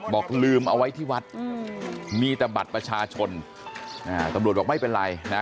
บอกลืมเอาไว้ที่วัดมีแต่บัตรประชาชนตำรวจบอกไม่เป็นไรนะ